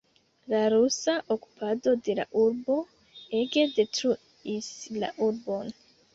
La rusa okupado de la urbo ege detruis la urbon.